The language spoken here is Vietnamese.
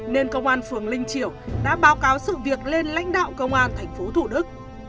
nên công an phường linh triệu đã báo cáo sự việc lên lãnh đạo công an thành phố thủ đức